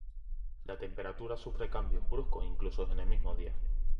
La temperatura sufre cambios bruscos incluso en el mismo día.